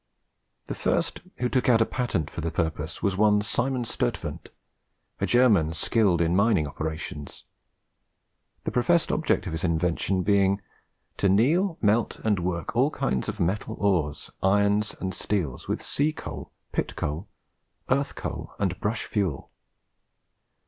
The first who took out a patent for the purpose was one Simon Sturtevant, a German skilled in mining operations; the professed object of his invention being "to neale, melt, and worke all kind of metal oares, irons, and steeles with sea coale, pit coale, earth coale, and brush fewell."